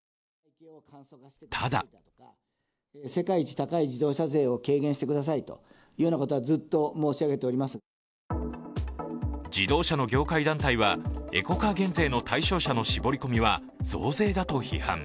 ただ自動車の業界団体はエコカー減税の対象車の絞り込みは増税だと批判。